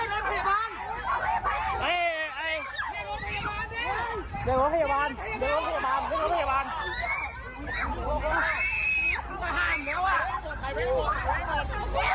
เดี๋ยวเราไปพยาบาล